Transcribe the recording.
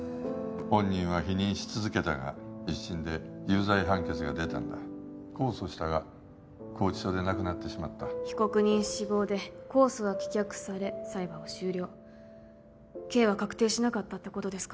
本人は否認し続けたが一審で有罪判決が出たんだ控訴したが拘置所で亡くなってしまった被告人死亡で控訴は棄却され裁判は終了刑は確定しなかったってことですか？